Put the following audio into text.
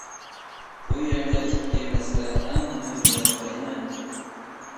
بۇ يەردە ئىككى مەسىلە ئەڭ مۇھىم دەپ قارايمەن.